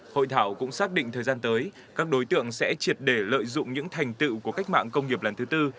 hội thảo cũng xác định thời gian tới các đối tượng sẽ triệt để lợi dụng những thành tựu của cách mạng công nghiệp lần thứ tư